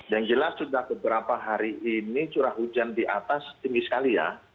yang jelas sudah beberapa hari ini curah hujan di atas tinggi sekali ya